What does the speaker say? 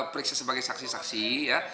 periksa sebagai saksi saksi ya